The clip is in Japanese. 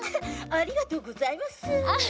ありがとうございます。